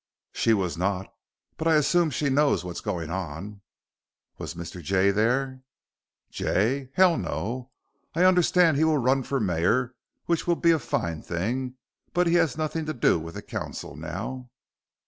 "She was not, but I assume she knows what's going on." "Was Mr. Jay there?" "Jay? Hell, no. I understand he will run for mayor, which will be a fine thing. But he has nothing to do with the council now."